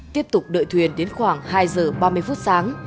tiếp tục đợi thuyền đến khoảng hai giờ ba mươi phút sáng